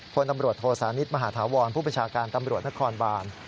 พลตำรวจโทสานิทมหาธาวรผู้ประชาการตำรวจนครบาน